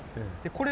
これ。